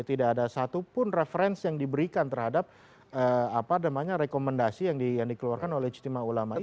tidak ada satupun referensi yang diberikan terhadap rekomendasi yang dikeluarkan oleh ijtima ulama itu